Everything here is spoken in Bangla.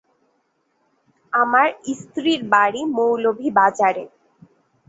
আমার স্ত্রীর বাড়ি মৌলভীবাজারে।